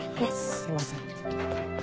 すいません。